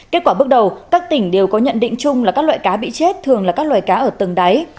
kết quả bước đầu các tỉnh đều có nhận định chung là các loại cá bị chết thường là các loài cá ở từng đáy